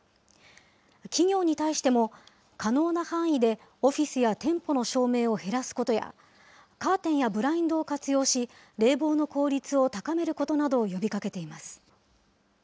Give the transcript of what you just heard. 企業に対しても、可能な範囲でオフィスや店舗の照明を減らすことや、カーテンやブラインドを活用し、冷房の効率を高めることなどを呼びかけています。